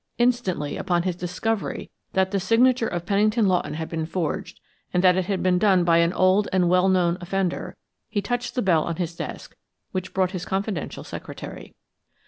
Instantly, upon his discovery that the signature of Pennington Lawton had been forged, and that it had been done by an old and well known offender, he touched the bell on his desk, which brought his confidential secretary.